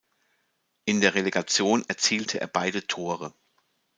In der Relegation erzielte er beide Tore.